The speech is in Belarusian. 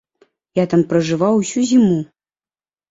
Я там пражываў усю зіму.